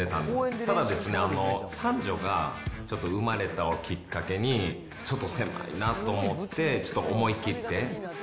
ただですね、三女がちょっと生まれたのをきっかけに、ちょっと狭いなと思って、ちょっと思い切って。